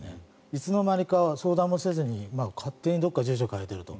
いつの間にか相談もせずに勝手に住所を変えていると。